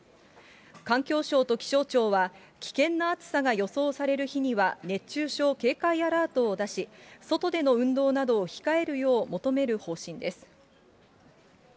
環境省と気象庁は、危険な暑さが予想される日には熱中症警戒アラートを出し、外での運動などを控えるよう求める方針です。